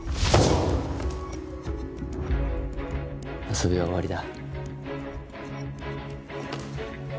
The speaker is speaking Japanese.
遊びは終わりだ。